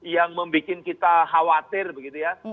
yang membuat kita khawatir begitu ya